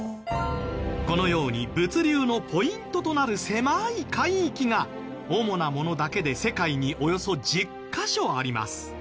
このように物流のポイントとなる狭い海域が主なものだけで世界におよそ１０カ所あります。